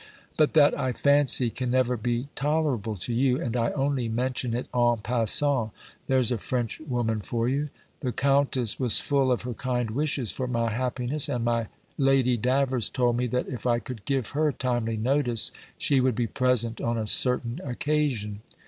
But that, I fancy, can never be tolerable to you; and I only mention it en passant. There's a French woman for you! The countess was full of her kind wishes for my happiness; and my Lady Davers told me, that if I could give her timely notice, she would be present on a certain occasion.